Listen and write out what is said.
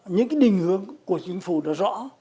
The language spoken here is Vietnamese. những cái đình hướng của chính phủ đã rõ